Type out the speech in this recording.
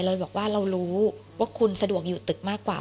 เราบอกว่าเรารู้ว่าคุณสะดวกอยู่ตึกมากกว่า